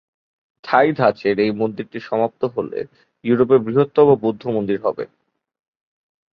থাই ধাঁচের এই মন্দিরটি সমাপ্ত হলে ইউরোপের বৃহত্তম বৌদ্ধ মন্দির হবে।